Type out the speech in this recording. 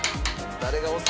誰が押す？